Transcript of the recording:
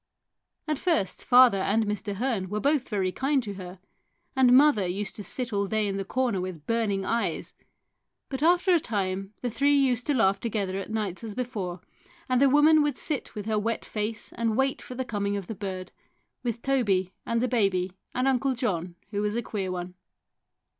At first father and Mr. Hearn were both very kind to her, and mother used to sit all day in the corner with burning eyes, but after a time the three used to laugh together at nights as before, and the woman would sit with her wet face and wait for the coming of the bird, with Toby and the baby and Uncle John, who was a queer one.